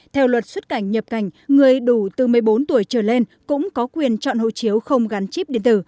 theo luật xuất cảnh nhập cảnh người đủ từ một mươi bốn tuổi trở lên cũng có quyền chọn hộ chiếu không gắn chip điện tử